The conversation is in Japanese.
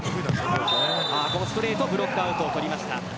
このストレートはブロックアウトを取りました。